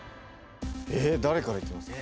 えっ誰からいきますか？